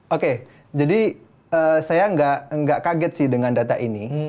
oke jadi saya nggak kaget sih dengan data ini